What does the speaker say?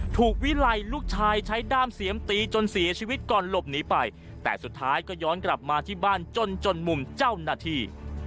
ถูกวิไลลูกชายใช้ด้ามเสียมตีจนเสียชีวิตก่อนหลบหนีไปแต่สุดท้ายก็ย้อนกลับมาที่บ้านจนจนมุมเจ้าหน้าที่